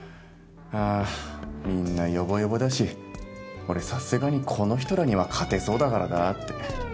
ああみんなヨボヨボだし俺さすがにこの人らには勝てそうだからなって。